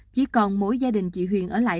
chỉ còn mỗi gia đình chị huyền ở lại